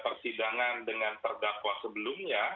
persidangan dengan perdakwaan sebelumnya